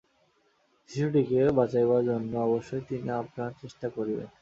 শিশুটিকে বাঁচাইবার জন্য অবশ্যই তিনি আপ্রাণ চেষ্টা করিবেন।